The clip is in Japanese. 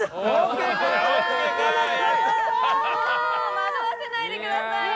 惑わせないでくださいよ！